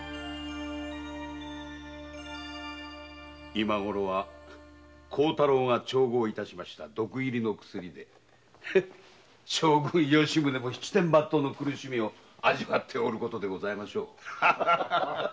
今ごろは孝太郎が調合した毒入りの薬で将軍・吉宗も七転八倒の苦しみを味わっておることでしょう。